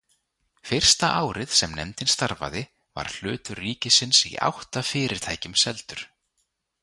Fyrsta árið sem nefndin starfaði var hlutur ríkisins í átta fyrirtækjum seldur.